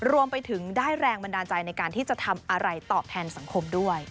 รวมไปถึงได้แรงบันดาลใจในการที่จะทำอะไรตอบแทนสังคมด้วย